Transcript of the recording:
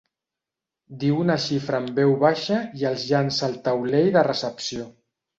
Diu una xifra en veu baixa i els llança al taulell de recepció.